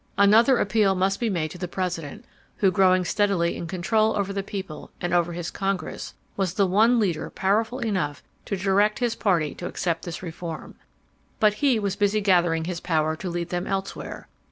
Another appeal must be made to the President who, growing steadily in control over the people and over his Congress, was the one leader powerful enough to direct his party to accept this reform. But he was busy gathering his power to lead them elsewhere.